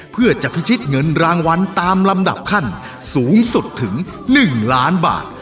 เพื่อจะพิชิตเงินรางวัลตามลำดับขั้นสูงสุดถึง๑ล้านบาท